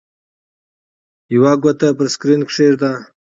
یوه ګوته پر سکرین کېږده.